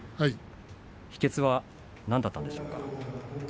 秘けつは何だったんでしょうか。